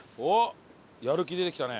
やる気出てきたね。